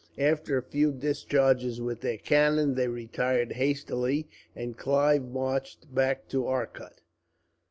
After a few discharges with their cannon they retired hastily, and Clive marched back to Arcot.